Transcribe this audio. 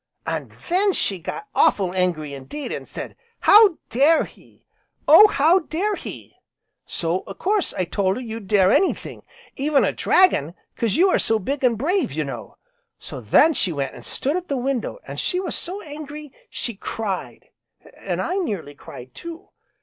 An' then she got awful' angry indeed, an' said 'How dare he! Oh, how dare he!' So a course, I told her you'd dare anything even a dragon, 'cause you are so big, an' brave, you know. So then she went an' stood at the window, an' she was so angry she cried, an' I nearly cried too.